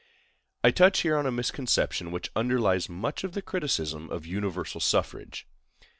I touch here on a misconception which underlies much of the criticism of universal suffrage.